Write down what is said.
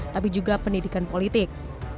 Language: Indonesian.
tapi juga pendidikan politik